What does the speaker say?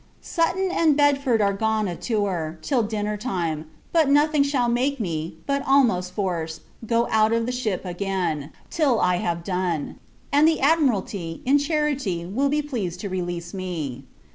Sutton and Bedford are gone a tour, till dinner time: but nothing shall make me, but almost force, go out of the ship again, till I have done; and the Admiralty, in charity, will be pleased to release me.